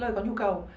lời có nhu cầu